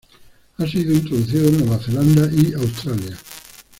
Ha sido introducida en Nueva Zelanda y Australia.